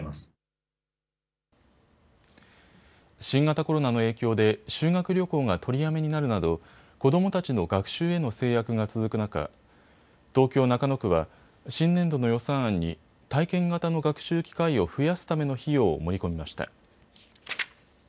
新型コロナの影響で修学旅行が取りやめになるなど子どもたちの学習への制約が続く中、東京中野区は新年度の予算案に体験型の学習機会を増やすための費用を盛り込みました。